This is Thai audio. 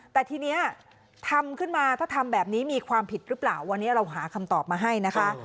แต่ทีนี้ทำขึ้นมาถ้าทำแบบนี้มีความผิดหรือเปล่าวันนี้เราหาคำตอบมาให้นะคะ